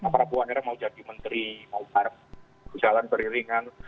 prabowo akhirnya mau jadi menteri mau jalan perilingan